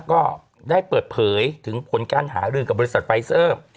ก็ได้เปิดเผยถึงผลการหารือกับบริษัทไฟเซอร์